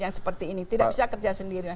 yang seperti ini tidak bisa kerja sendiri